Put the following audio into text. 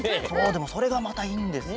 でもそれがまたいいんですよ。